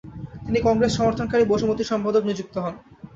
তিনি কংগ্রেস সমর্থনকারী 'বসুমতী'র সম্পাদক নিযুক্ত হন।